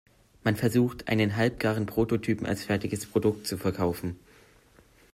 Man versucht, einen halbgaren Prototypen als fertiges Produkt zu verkaufen.